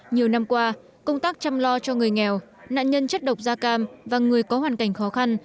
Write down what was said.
nhiều năm qua công tác chăm lo cho người nghèo nạn nhân chất độc da cam và người có hoàn cảnh khó khăn